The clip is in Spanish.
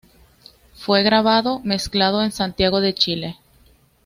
Fue grabado, mezclado en Santiago de Chile.